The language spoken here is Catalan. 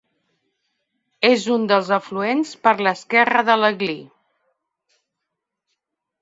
És un dels afluents per l'esquerra de l'Aglí.